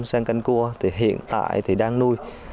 sen canh cua thì hiện tại thì đang nuôi